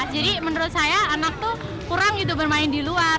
jadi menurut saya anak itu kurang bermain di luar